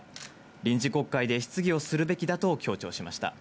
臨時国会で質疑をするべきだと強調しました。